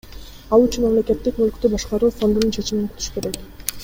Ал үчүн Мамлекеттик мүлктү башкаруу фондунун чечимин күтүш керек.